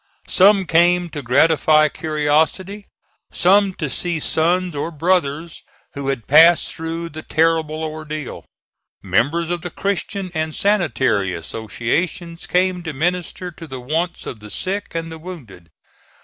Some came to gratify curiosity; some to see sons or brothers who had passed through the terrible ordeal; members of the Christian and Sanitary Associations came to minister to the wants of the sick and the wounded.